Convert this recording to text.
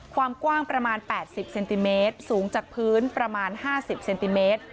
ความกว้างประมาณ๘๐เซนติเมตรสูงจากพื้นประมาณ๕๐เซนติเมตร